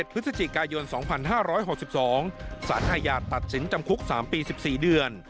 พฤศจิกายน๒๕๖๒สารอาญาตัดสินจำคุก๓ปี๑๔เดือน